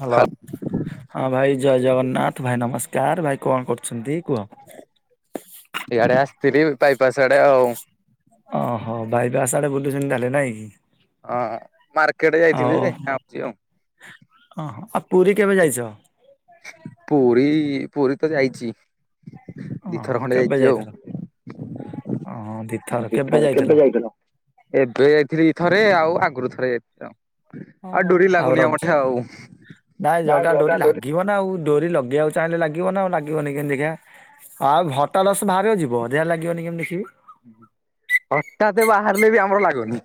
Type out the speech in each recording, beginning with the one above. Hello. ହାଲ ହଁ ଭାଇ ଜୟ ଜଗନ୍ନାଥ। ଭାଇ ନମସ୍କାର। ଭାଇ କଣ କରୁଛନ୍ତି କୁହ? ଇଆଡେ ଆସିଥିଲି ବାଇପାସ ଆଡେ ଆଉ। ଓହୋ। ବାଇପାସ୍ ଆସ ଆଡେ ବୁଲୁଛନ୍ତି ତାହେଲେ ନାଇଁ କି? ହଁ ମାର୍କେଟ ଆଉ ଯାଇଥିଲି। [inaudible] ଆଉ ଓହୋ। ଆଉ ପୁରୀ କେବେ ଯାଇଛ? ପୁରୀ ପୁରୀ ତ ଯାଇଛି। ଦିଥର ଖଣ୍ଡେ ଯାଇଛି ଆଉ। ଓହ ଏବେ ଯାଇଥିଲି ଥରେ, ଆଉ ଆଗରୁ ଥରେ ଯାଇଥିଲି ଆଉ। ଓହୋ ଆଉ ଡୋରି ଲାଗୁନିଆ ରଜ ମଠେ ନାଇଁ ଜଗା ଡୋରି ଆଉ। ଲାଗିବ ନା ଆଉ ଡରି ଲଗେଇକୁ ଚାହିଁଲେ ଲାଗିବ ନା ଆଉ ଲାଗିବନି କେମିତି ଦେଖିଆ? ଆଉ [inaudible] ବାହାରାରେ ଯିବ ଦେହ ଲାଗିବନି କେମିତି ଦେଖିବି? ହଠାତ୍ ବାହାରିଲେ ବି ଆମର ଲାଗୁନି।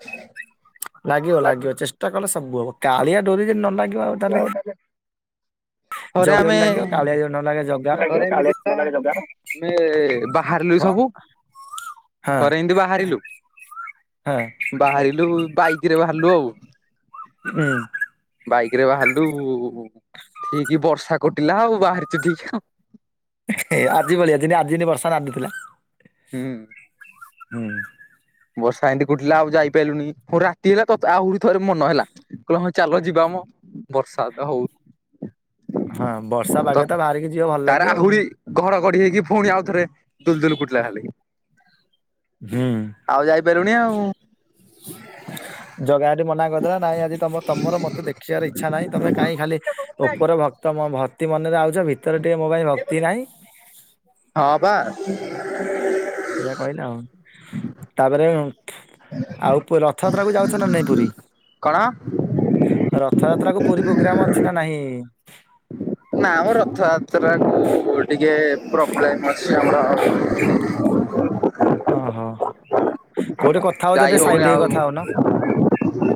ଲାଗିବ ଲାଗିବ ଚେଷ୍ଟା କଲେ ସବୁ ହବ କାଳିଆ ଡୋରି ଯଦି ନ ଲାଗିବ ଆ [unintelligible] ଜଗ [unintelligible] ଲାଗିବ କାଳିଆ [unintelligible] [unintelligible] ଜଗାର ଆମେ ବାହାରିଲୁ ହଁ ସବୁ। ହଁ ଥରେ ଏମିତି ବାହାରିଲୁ ହଁ ବାହାରିଲୁ ବାଇକ୍ ରେ ବାହାରିଲୁ ଆଉ। ହୁଁ। କିରେ ବାହାରିଲୁ ଠିକ୍ ବର୍ଷା କୁଟିଲା ଆଉ ବାହାରିଚୁ ଠିକ ଆଉ। ହେଏ ଆଜି ଭଳିଆ ଯେତି ଆଜି ଜେନ୍ତି ବର୍ଷା ନାଦୁଥୁଲା ହୁଁ ହୁଁ। ବର୍ଷା ଏମିତି କୁଟିଲା ଆଉ ଯାଇପାଇଲୁନି ହଉ ଟେ ରାତି ହେଲା ତ ଆହୁରି ଥରେ ମନ ହେଲା। କ ହଁ ଚାଲ ଯିବା ମ ବର୍ଷା ତ ହଉ। ହଁ ବର୍ଷା ବାଗେ ତ ବାହାରିକି ଯିବ ଭଲ ତାର ଲାଗିବ ଆଉ। ଆହୁରି ଘଡଘଡି ହେଇକି ଫୁଣି ଆଉଥରେ ଦୁଲଦୁଲ କୁଟିଲା ଖାଲି। ହୁଁ। ଆଉ ଯାଇପାରୁନି ଆଉ। ହଁ। ଜଗା ହେଟି ମନା କରିଦେଲା ନାଇଁ ଆଜି ତମ-ତମର ମତେ ଦେଖିବାର ଇଛା ନାଇଁ ତମେ କାଇଁ ଖାଲି ଓପର ଭକ୍ତ ମ ଭକ୍ତି ମନରେ ଆଉଚ ଭିତରେ ଟିକେ ମୋ ପାଇଁ ଭକ୍ତି ନାଇଁ। ହଁ ପା। ଏଇଆ କଇଲା ଆଉ। ତାପରେ ଆଉ ପୁ ରଥଯାତ୍ରା କୁ ଯାଉଛ ନା ନାଇଁ ପୁରୀ? କଣ ରଥଯାତ୍ରା କୁ ପୁରୀ ପୋଗ୍ରାମ ଅଛି ନା ନାହିଁ? ନା ମ ରଥଯାତ୍ରା କୁ ଟିକେ ପ୍ରୋବ୍ଲେମ୍ ଅଛି ଆମର। ଓହୋ କୋଉଠି କଥା ହଉଛ ଯାଇ ଟିକେ ହଉନି ସାଇଟ୍ ହେଇକି ଆଉ କଥା ହଉନ।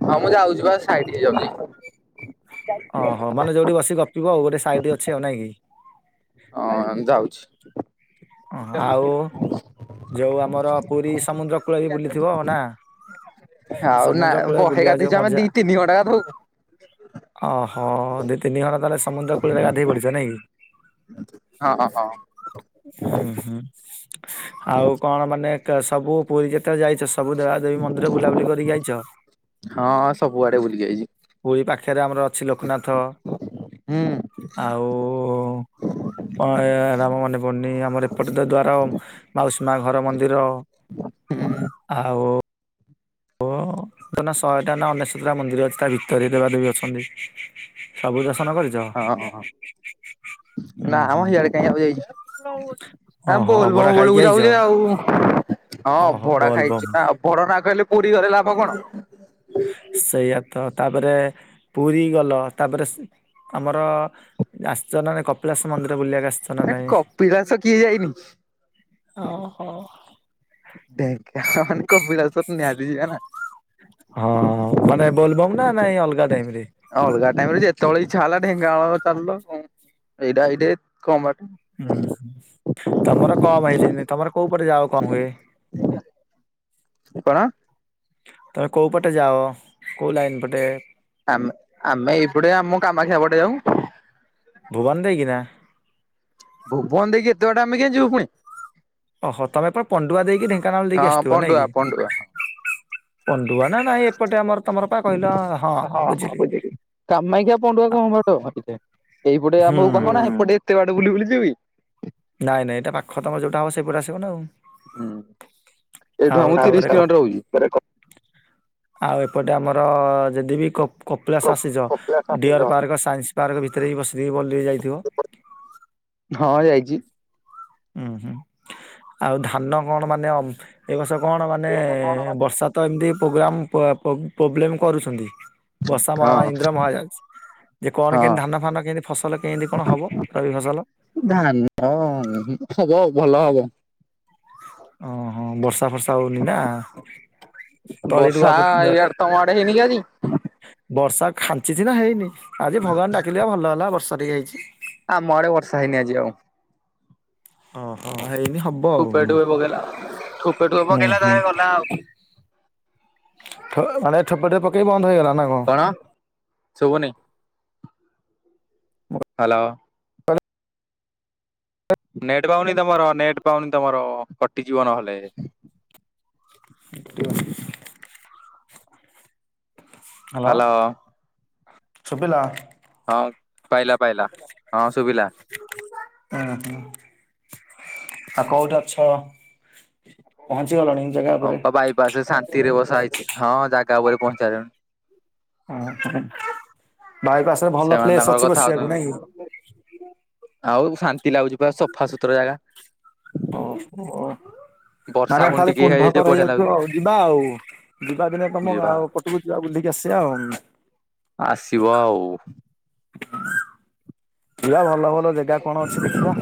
ହଁ ମୁଁ ଯାଉଚି ବା ସାଇଟି ହେଇ ଯାଉଚି। ଅହଁ ମାନେ ଯଉଠି ବସି ଗପିବ ଆଉ ଗୋଟେ ସାଇଟ୍ ଅଛି ଆଉ ନାଇଁ କି। ହଁ ଯାଉଛି। ଅଁ ହଁ ଆଉ ଯୋଉ ଆମର ପୁରୀ ସମୁଦ୍ର କୂଳ ବି ବୁଲିଥିବ ନା। ଆଉ ନା ସମୁଦ୍ର କୂଳରେ ବହେ ବୁଲିବା ଯୋଉ ଗାଧେଇଚୁ ଆମେ ମଜା ଦି ତିନି ଘଣ୍ଟା ଗାଧୋଉ। [unintelligible] ଅହ ଦି ତିନି ଘଣ୍ଟା ତାହେଲେ ସମୁଦ୍ର କୂଳରେ ଗାଧେଇ ପଡ଼ିଚ ନାଇଁ କି? ହଁ ହଁ ହଁ। ଉୁଁ ହୁଁ ଆଉ କଣ ମାନେ କ ସବୁ ପୁରୀ ଯେତବେଳେ ଯାଇଚ ସ୍ ସବୁ ଦେବାଦେବୀ ମନ୍ଦିର ବୁଲାବୁଲି କରିକି ଆଇଛ। ହଁ ହଁ ସବୁଆଡେ ବୁଲିକି ଆଇଚି। ହୁଳି ପାଖେରେ ଆମର ଅଛି ଲୋକନାଥ ହୁଁ ଆଉ [unintelligible] ହେରା ଆମର ମନେ ପନି ଆମର ଏପଟେ ତ ଦ୍ଵାରା ଆଉ। ମାଉସୀ ମା ଘର ମନ୍ଦିର ଆଉ। ଓ [unintelligible] ଶହେଟା ନା ଅନେଶତ ଟା ମନ୍ଦିର ଅଛି ତା ଭିତରେ ଦେବାଦେବୀ ଅଛନ୍ତି। ସବୁ ଦର୍ଶନ କରି ହଁ ନା ଉୁଁ ମ ହୁଁ ହିଆଡେ। [unintelligible] ଯାଇଚି ଆମ୍ ଓହୋ ବୋଲ ବମ୍ ଅଭଡା ଖାଇକି ବେଳୁକୁ ଆଇଛ ଯାଉଚେ ଆଉ। ହଁ ଓହୋ ଅଭଡା ବୋଲ ବମ୍ ଖାଇଚୁ ନା ଅଭଡା ନ ଖାଇଲେ ପୁରୀ ଘରେ ଲାଭ କଣ? ସେଇଆ ତ ତାପରେ ପୁରୀ ଗଲ ତାପରେ ସ୍ ଆମର ଆସିଚ ନା ନାଇଁ କପିଳାସ ମନ୍ଦିର ବୁଲିବାକୁ ଆସିଚ ଏ କପିଳାସ କିଏ ଯାଇନି? ହଁ ହଁ। ଢେଙ୍କାନାଳ ମାନେ କପିିଳାସ ନିହାତି ଯିବେ ନା। ହଁ ମାନେ ବୋଲବମ୍ ନା ନାଇଁ ଅଲଗା ଟାଇମ ରେ? ଅଲଗା ଟାଇମ୍ ରେ ଯେତବେଳେ ଇଚ୍ଛା ହେଲା ଢେଙ୍ଗାନାଳ ଚାଲଲ ଏଇଟା ଏଇଟେ କମ୍ ବାଟ। ହୁଁ ହୁଁ ତମର କମ୍ ହେଇଚି ତମର କୋଉ ପଟେ ଯାଅ କମ୍ ହୁଏ? କଣ? ତମେ କୋଉ ପଟେ ଯାଅ କୋଉ ଲାଇନ୍ ପଟେ? ଆମେ ଆମେ ଏଇପଟେ ଆମ କାମାଖିଆ ପଟେ ଯାଉଁ। ଭୁବନ ଦେଇକିନା। ଭୁବନ ଦେଇକି ଏତେ ବାଟେ ଆମେ କେମତି ଯିବୁ ଫୁଣି। ଓହୋ ତମେ ପରା ପଣ୍ଡୁଆ ଦେଇକି ଢେଙ୍କାନାଳ ଦେଇକି ହଁ ଆସୁଥିବ ନାଇ ପଣ୍ଡୁଆ ପଣ୍ଡୁଆ କି। ପଣ୍ଡୁଆ ନା ନାଇଁ ଏପଟେ ଆମର ତମର ପା କହିଲା ହଁ ହଁ ବୁଝିଲି। କାମାଖିଆ ପଣ୍ଡୁଆ କମ୍ ବାଟ। ଏଇପଟେ ହୁଁ ଆମକୁ ପାଖ ନା ସେପଟେ ଏତେ ବାଟ ବୁଲି ବୁଲି ଯିବି। ନାଇ ନାଇ ଏଇଟା ପାଖ ତମର ଯୋଉଟା ହବ ସେପଟେ ଆସିବ ନା ଆଉ। ହୁଁ ଆଉ ଏଇଠୁ ଆମକୁ ତାପରେ ତିରିଶ କ କିଲୋମିଟର ହଉଚି। ଆଉ ଏପଟେ ଆମର ଯଦି ବିି କପ୍ କପିଳାଶ ହଉଛି। ଆସିଚ। କପିଳାସ ଆସିଛ? ଡିଅର୍ ପାର୍କ, ସାଇନ୍ସ ପାର୍କ ଭିତରେ ବି ବସିଦେଇକି ଭଲରେ ଯାଇଥିବ। ହଁ, ଯାଇଚି। ହୁଁ ହୁଁ ଆଉ ଧାନ କଣ ମାନେ ଅମ୍ ଏ ବର୍ଷ କଣ ମାନେ ବର୍ଷାତ୍। ତ ଏମିତି ପୋଗ୍ରାମ ପ-ପବ୍ ପୋବ୍ଲେମ କରୁଛନ୍ତି। ବର୍ଷା ହଁ ମମା ଇନ୍ଦ୍ର ମହାରାଜ। ଇଏ କଣ କେମିତି ହଁ ଧାନ ଫାନ କେମିତି ଫସଲ କେମିତି କଣ ହବ ରବି ଫସଲ? ଧାନ ହଁ ହବ ଭଲ ହବ। ଅଁ ହଁ ବର୍ଷା ଫର୍ସା ହଉନିନା। ବର୍ଷା ଇଆଡେ ତମ ଆଡେ ହେଇନି କି ଆଜି? ବର୍ଷା ଖାଞ୍ଚିଚି ନା ହେଇନି ଆଜି ଭଗବାନକୁ ଡାକିଲି ବା ଭଲ ହେଲା ବର୍ଷା ଟିକେ ହେଇଚି। ଆମ ଆଡେ ବର୍ଷା ହେଇନି ଆଜି ଆଉ। ଓ ହୋ ହେଇନି ହବ୍। ଠୁପେ ଠୁପେ ପକେଇଲା। ଠୁପେ ଠୁପେ ହୁଁ ପକେଇଲା ହୁଁ। ତା ହେଲେ ଗଲା ଆଉ। ଠୋ ମାନେ ଠୋପେ ଠୋପେ ପକେଇ ବନ୍ଦ ହୋଇଗଲା ନା କଣ? କଣ? ଶୁଭୁନି। ମଁ [unintelligible] ହାଲୋ। [unintelligible] ନେଟ୍ ପାଉନି ତମର ନେଟ୍ ପାଉନି ତମର କଟିଯିବ ନହେଲେ। କଟିବନି। ହାଲୋ ହ୍ୟାଲୋ ଶୁବିଲା। ହଁ ପାଇଲା ପାଇଲା ହଁ ଶୁବିଲା। ଉଁ ହୁଁ ଆଉ କୋଉଠି ଅଛ। ପହଞ୍ଚିଗଲଣି ଜାଗା ଉପରେ। ବାଇ ପାସେ ଶାନ୍। ନ୍ତିରେ ବସା ହେଇଛି। ହଁ ଜାଗା ଉପରେ ପହଞ୍ଚିସାରିଲାଣି। ହଁ ହଁ ବାଇପାସ୍ ରେ ଭଲ ସେମାନେ ପ୍ଲେସ୍ ତାଙ୍କର ଅଛି କଥା ବସିବାକୁ ହଉଛନ୍ତି। ନାଇଁକି। ଆଉ ଶାନ୍ତି ଲାଗୁଚି ପା ସଫା ସୁୁତୁରା ଜାଗା। ଓ ହୋ। ବର୍ଷା ମାନେ ଫୁଣି ଖାଲି ଟିକେ ହେଇଯାଇଛି କୁଣ୍ଢକର ବଢିଆ ହେଇଯାଉଥିବ ଲାଗୁଛି। ଆଉ ଯିବା ଆଉ ଯିବା ଦିନେ ତମ ଯିବା ଗାଓ ପଟ୍ ସବୁ ଯିବା ବୁଲିକି ଆସିବା ଆଉ। ଆସିବ ଆଉ। ଯିବା ଭଲ ଭଲ। ଭଲ ଜେଗା କଣ ଅଛି ଦେଖିବା,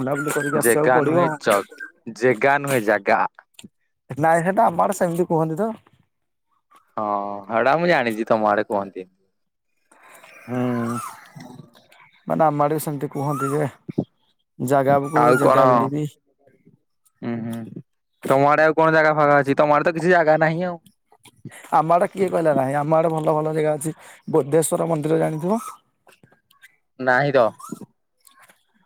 ବୁଲାବୁଲି କରିକି ଆସିବାକୁ ଜେଗା ନୁହେଁ ପଡିବ ଜ ଆଉ। ଜେଗା ନୁହେଁ ଜାଗା। ନାଇଁ ହେଟା ଆମ ଆଡେ ସେମତି କୁହନ୍ତି ତ। ହଁ -ହେଡା ମୁଁ ଜାଣିଛି ତମ ଆଡେ କୁହନ୍ତି। ହୁଁ ମାନେ ଆମ ଆଡେ ବି ସେମତି କୁହନ୍ତି ଯେ, ଜାଗାବୁ ଆଉ କଣ? ହୁଁ -ହୁଁ ତମ ଆଡେ ଆଉ କଣ ଜାଗା ଫାଗା ଅଛି। ତମଆଡେ ତ କିଛି ଜାଗା ନାହିଁ ଆଉ। ଆମ ଆଡେ କିଏ କହିଲା ନାହିଁ ଆମ ଆଡେ ଭଲ, ଭଲ ଯେଗା ଅଛି। ବୋଦ୍ଧେଶ୍ଵର ମନ୍ଦିର ଜାଣିଥିବ? ନାଇଁ, ତ।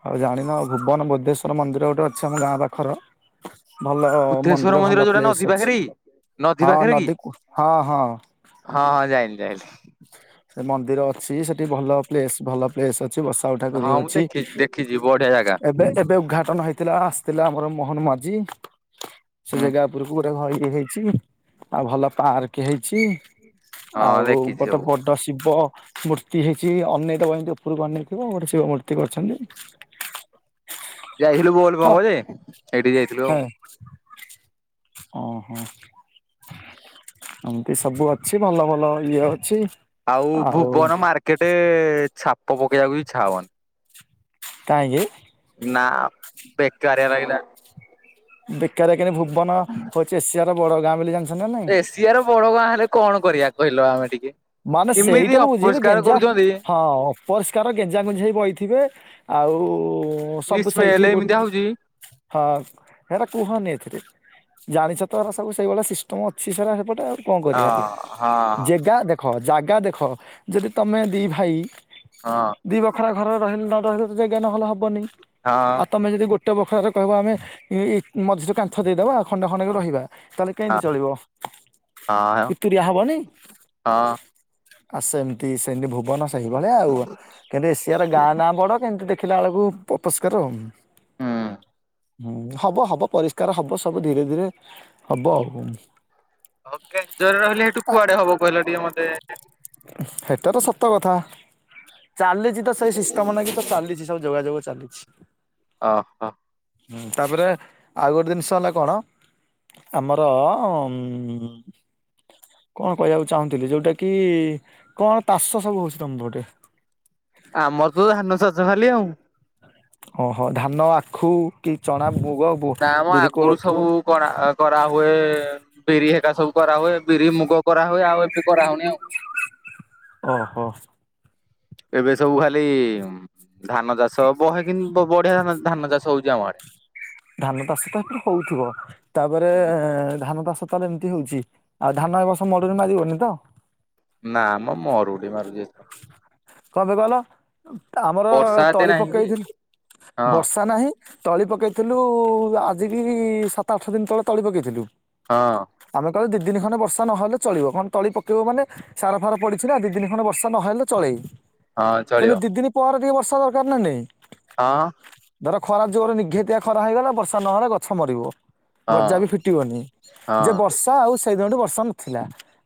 ଆଉ ଜାଣିନ ଭୁବନ ବୋଦ୍ଧେଶ୍ୱର ମନ୍ଦିର ଗୋଟେ ଅଛି ଆମ ଗାଁ ପାଖର। ଭଲ, ବୁଦ୍ଧେଶ୍ଵର ମନ୍ଦିର ଭଲ ଯୋଉଟା ନଦୀ ପ୍ଲେସ ଅଛି ପାଖରେ କି? ନଦୀ ହଁ ପାଖରେ କି ନଦୀକୁ ହଁ -ହଁ। ହଁ ଯାଇଲି ଯାଇଲି। ସେ ମନ୍ଦିର ଅଛି ସେଠି ଭଲ ପ୍ଲେସ -ଭଲ ପ୍ଲେସ ଅଛି ବସ। ଆଉ ଠାକ ହଁ ମୁଁ ଅଛି ଦେଖିଛି ଦେଖିଛି ବଢିଆ ଜାଗା। ଏବେ ଏବେ ଉଦ୍ଘାଟନ ହେଇଥିଲା ଆସିଥିଲା ଆମର ମୋହନ ମାଝି। ସେ ହୁଁ ଜାଗା ଉପରକୁ ଗୋଟେ ଘ- ଇଏ ହେଇଛି। ଆଉ ଭଲ ପାର୍କ ହେଇଛି। ହଁ ଆଉ ଦେଖିଛି କ ସବୁ ତଶିବ ମୂର୍ତ୍ତି ହେଇଛି ଅନେଇ ଥିବ ଏମିତି ଉପରକୁ ଅନେଇଥିବ ଗୋଟେ ଶିବ ମୂର୍ତ୍ତି କରିଛନ୍ତି! ଯାଇଥିଲୁ ବୋଲ ବମ ଜେ ସେଇଠି ଯାଇଥିଲୁ। ଓ ହୋ, ଏମତି ସବୁ ଅଛି ଭଲ ଭଲ ଇଏ ଅଛି। ଆଉ ଭୁବନ ମାର୍କେଟ ଛାପ ପକେଇବାକୁ ବି ଇଛା ହବନି। କାହିଁକି? ନା ବେକାରିଆ ରାଗିଲ।। ବେକାରିଆ କେମ ଭୁବନ ହଉଛି ଏସିଆ ର ବଡ ଗାଁ ବୋଲି ଜାଣିଛନ୍ତି ନା ନାହିଁ? ଏସିଆର ବଡ ଗାଁ ହେଲେ କଣ କରିବା କହିଲ ଆମେ ଟିକେ? ମାନେ ଏମିତି ସେଇଟା ମୁଁ ବୁଝି ଅପରିଷ୍କାର ଗେଞ୍ଜା କରୁଛନ୍ତି ହଁ ଅପରିଷ୍କାର ଗେଞ୍ଜା ଗେଞ୍ଜେଇ ବହିଥିବେ। ଆଉ ଏ ସବୁ ସ୍ମେଲ ସେଇଠି ଗୋ- [inaudible] ହଁ ହେରା କୁହନି ଏଥିରେ ଜାଣିଛ ତ ର ସବୁ ସେଇଭଳିଆ ସିଷ୍ଟମ ଅଛି ସେ ରା ହେପଟେ କଣ କରିବାକୁ ହଁ ହଁ। ଯେଗା ଦେଖ ଜାଗା ଦେଖ ଯଦି ତମେ ଦି ଭାଇ- ହଁ ଦି ବଖରା ଘର ରହିଲେ ନ ରହିଲେ ତ ଯେଗା ନହେଲେ ହବନି। ହଁ। ତମେ ଯଦି ଗୋଟେ ବଖାରେ କହିବ ଆମେ ମଝିରେ କାନ୍ଥ ଦେଇଦେବା ଖଣ୍ଡେଖଣ୍ଡକ ରହିବା ତାହେଲେ- କେମିତି ଚଳିବ ହଁ ତୁରୁତୁରିଆ ହବନି? ହଁ। ଆ ସେମିତି ସେମିତି ଭୁବନ ସେହିଭଳିଆ ଆଉ କିନ୍ତୁ ଏସିଆର ଗାଁ ନାଁ ବଡ କେମିତି ଦେଖିଲାବେଳକୁ ଅପରିଷ୍କାର ହୁଁ। ହୁଁ ହବ ହବ ପରିଷ୍କାର ହବ ସବୁ ଧୀରେ ଧୀରେ ହବ ଆଉ ଗେଞ୍ଜରେ ରହିଲେ ହେଠୁ କୁଆଡେ ହବ କହିଲ ଟିକେ ମତେ? ହେଟା ତ ସତ କଥା। ଚାଲିଛି ତ ସେଇ ସିଷ୍ଟମ ନା କି ତ ଚାଲିଛି ସବୁ ଯୋଗାଯୋଗ ଚାଲିଛି। ଓ ହଁ। ହୁଁ ତାପରେ ଆଉ ଗୋଟେ ଜିନିଷ ହେଲା କଣ- ଆମର ଉ- କଣ କହିବାକୁ ଚାହୁଁଥିଲି ଯୋଉଟା କି କଣ ତାଷ ସବୁ ହଉଛି ତମର ହେଠି? ଆମର ତ ଧାନ ଚାଷ ଖାଲି ଆଉ। ଓହୋ ଧାନ ଆଖୁ କି ଚଣା ମୁଗ ବୁ ନା ମ ବିରି ଆଗରୁ କୋଳଥ ସବୁ କରା କରାହୁଏ ବିରି ହେକା ସବୁ କରାହୁଏ ବିରି ମୁଗ କରାହୁଏ ଆଉ ଏବେ କରା ହଉନି ଆଉ। ଓ ହୋ। ଏବେ ସବୁ ଖାଲି ଧାନ ଚାଷ ବହ କି ବଢିଆ ଧାନ ଚାଷ ହଉଛି ଆମ ଆଡେ। ଧାନ ଚାଷ ତ ହଉଥିବ ତାପରେ ଧାନ ଚାଷ ତାହଲେ ଏମିତି ହଉଛି। ଆଉ ଧାନ ଏବର୍ଷ ମରୁଡି ମାରିବନି ତ? ନା ମ ମରୁଡି ମାରୁଛି। କଣ ପାଇଁ କହିଲ ଆମର ବର୍ଷା ଏତେ ତଳି ନାହିଁ କି ପକାଇଥିଲି ହଁ ବର୍ଷା ନାହିଁ ତଳି ପକେଇଥିଲୁ ଆଜିିକି ସାତ ଆଠ ଦିନ ତଳେ ତଳି ପକାଇଥିଲୁ? ହଁ। ଆମେ କହିଲ ଦି ଦିନ ଖଣ୍ଡେ ବର୍ଷା ନହେଲେ ଚଳିବ କଣ ତଳି ପକବୁ ମାନେ ସାର ଫାର ପଡିଛି ନା ଦି ଦିନି ଖଣ୍ଡେ ବର୍ଷା ନହ ହେଲେ ଚଳେ। ହଁ ଚଳିବ କିନ୍ତୁ ଦି ଦିନ ପରେ ଟିକେ ବର୍ଷା ଦରକାର ନା ନାଇଁ? ହଁ। ଧର ଖରା ଜୋରେ ନିଘେତିଆ ଖରା ହେଇଗଲା ବର୍ଷା ନହେଲେ ଗଛ ମରିବ। ହଁ ଗଜା ବି ଫିଟିବନି ଯେ ହଁ ବର୍ଷା ଆଉ ସେଇଦିନଠୁ ବର୍ଷା ନଥିଲା।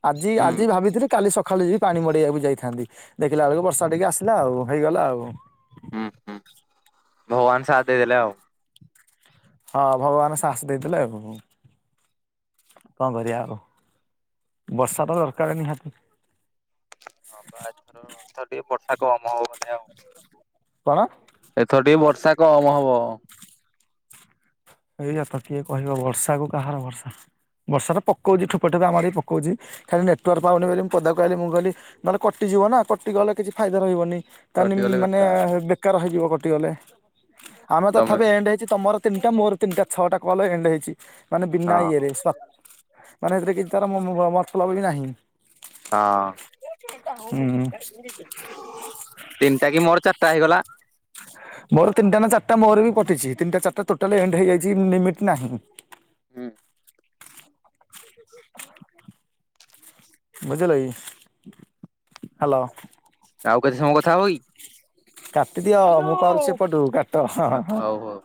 ଆଜି ହୁଁ ଆଜି ଭାବିଥିଲି କାଲି ସକାଳେ ଯିବି ପାଣି ମଡେଇବାକୁ ଯାଇଥାନ୍ତି ଦେଖିଲା ବେଳକୁ ବ ବର୍ଷା ଟିକେ ଆସିଲା ଆଉ ହେଇଗଲା ଆଉ। ହୁଁ ହୁଁ ଭଗବାନ ସାଥ ଦେଇଦେଲେ ଆଉ। ହଁ ଭଗବାନ ଶାହସ ଦେଇଥିଲେ ଆଉ। କଣ କରିବା ଆଉ ବର୍ଷା ତ ଦରକାର ନିହାତି। ବା ବାବା ଏଥର ଏଥର ଟିକେ ବର୍ଷା କମ ହବ ମାନେ ଆଉ। କଣ? ଏଥର ଟିକେ ବର୍ଷା କମ ହବ। ଏଇଆ ତ କିଏ କହିବ ବର୍ଷା କୁ କାହାର ବର୍ଷା। ବର୍ଷା ପଉଛିଠୋପେ ଠୁପା ଆମର ବି ପକଉଛି। ଖାଲି ନେଟୱାର୍କ ପାଉନି ବୋଲି ମୁ ପଦା କହଲି ମୁଁ କହିଲି ନହେଲେ କଟିଯିବ ନା କଟି ଗଲେ କିଛି ଫାଇଦା ରହିବନି। ତା କଟିଗଲେ ମାନେ ବେକାର ବେକାର ହେଇଯିବ କଟିଗଲେ ଆମେ ତମେ ତଥାପି ଏଣ୍ଡ ହେଇ ତମର ତିନିଟା ମୋର ତିନିଟା ଛଅଟା କଲ ଏଣ୍ଡ ହେଇଛି ମାନେ ବିନା ହଁ ଇଏରେ ମାନେ ସେଥିରେ କିଛି ତାର ମତ ଲବ ବି ନାହିଁ। ହଁ। ଉଁ ଉଁ ତିନି ଟା କି ମୋର ଚାରିଟା ହେଇଗଲା। ମୋର ତିନିଟା ନା ଚାରିଟା ମୋର ବି କଟିଛି ତିନିଟା ଚାରିଟା ଟୋଟାଲ ଏଣ୍ଡ ହେଇଯାଇଛି ଲିମିଟ ନାହିଁ। ହୁଁ। ବୁଝିଲେ, କି ହ୍ୟାଲୋ। ଆଉ କେତେ ସମୟ କଥା ହବ କି। କାଟିଦିଅ ମୁଁ କହ ସେପଟୁ କାଟ। ହଉ ହଉ।